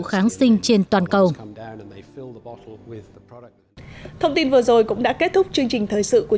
kháng sinh trên toàn cầu thông tin vừa rồi cũng đã kết thúc chương trình thời sự của